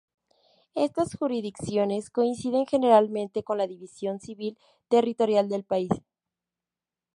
Estas jurisdicciones coinciden generalmente con la división civil territorial del país.